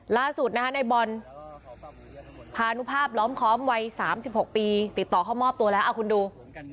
ล่าสุดนะคะในบอลผ่านภาพล้อมคอมวัยสามสิบหกปีติดต่อเขามอบตัวแล้วอ่ะคุณดู